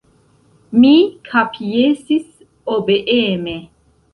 Mi kapjesis obeeme.